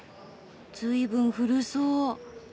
ずいぶん古そう。